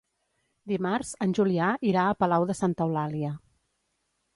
Dimarts en Julià irà a Palau de Santa Eulàlia.